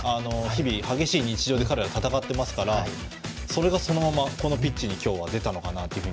日々、激しい日常で彼らは戦っていますからそれがピッチに出たのかなと。